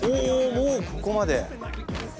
もうここまで。